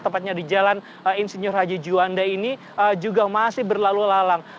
tepatnya di jalan insinyur haji juanda ini juga masih berlalu lalang